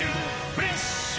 フレッシュ！」